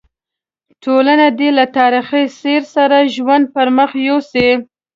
ټولنه دې له تاریخي سیر سره ژوند پر مخ یوسي.